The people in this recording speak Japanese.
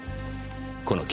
この傷。